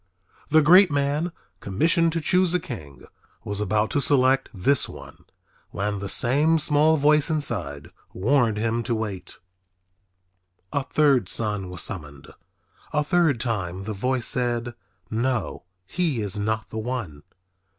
The great man commissioned to choose a king was about to select this one when the same voice inside warned him to wait. A third son was summoned. A third time the voice said, "No, he is not the one."